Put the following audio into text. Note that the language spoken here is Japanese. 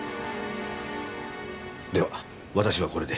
では私はこれで。